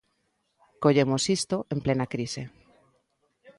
Collemos isto en plena crise.